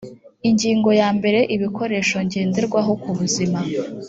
ingingo ya mbere ibikoresho ngenderwaho kubuzima